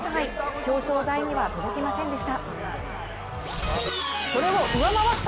表彰台には届きませんでした。